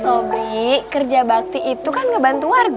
shobri kerja bakti itu kan membantu warga